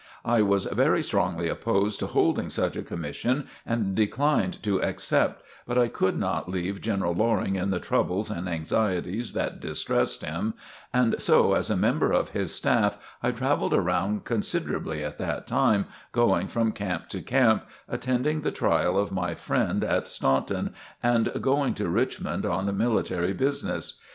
I was very strongly opposed to holding such a commission, and declined to accept, but I could not leave General Loring in the troubles and anxieties that distressed him, and so as a member of his staff, I travelled around considerably at that time, going from camp to camp, attending the trial of my friend at Staunton, and going to Richmond on military business.